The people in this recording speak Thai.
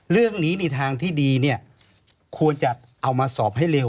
เรื่องนี้ในทางที่ดีเนี่ยควรจะเอามาสอบให้เร็ว